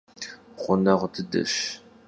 Ğuneğu dıdeş.